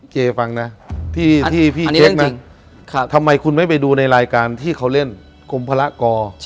เจฟังนะที่พี่เจ๊กนะทำไมคุณไม่ไปดูในรายการที่เขาเล่นกรมพละกอ